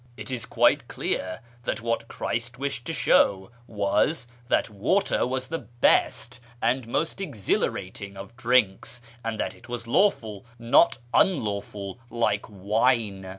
It is quite clear that wliat Clnust wished to show was, that water was the best and most exhilarating of drinks, and that it was lawful, not unlawful, like wine."